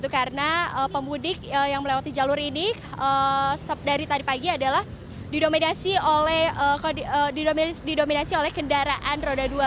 karena pemudik yang melewati jalur ini dari tadi pagi adalah didominasi oleh kendaraan roda dua